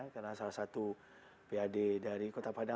karena salah satu pad dari kota padang